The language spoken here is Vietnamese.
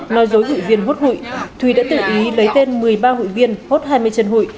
nói dối hội viên hốt hụi thúy đã tự ý lấy tên một mươi ba hội viên hốt hai mươi chân hụi